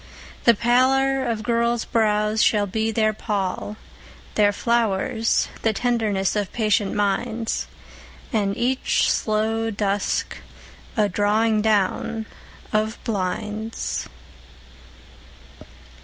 The pallor of girls' brows shall be their pall; Their flowers the tenderness of patient minds, And each slow dusk a drawing down of blinds.